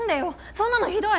そんなのひどい！